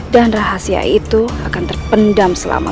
dan rahasia itu akan terpendam selama ini